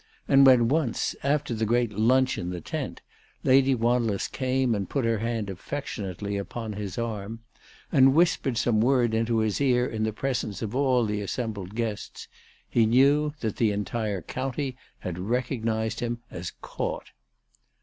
And when once, after the great lunch in the tent, Lady "Wanless came and put her hand affectionately upon his arm, and whispered some word into his ear in the presence of all the assembled guests, he knew that the entire county had recognised him as caught.